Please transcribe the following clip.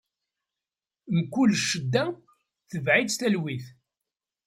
Mkul ccedda tetbeɛ-itt talwit.